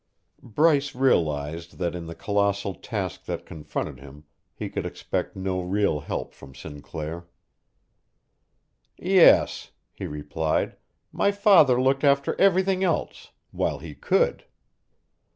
Bryce realized that in the colossal task that confronted him he could expect no real help from Sinclair. "Yes," he replied, "my father looked after everything else while he could."